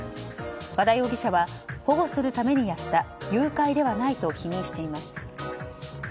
和田容疑者は保護するためにやった誘拐ではないと否認しています。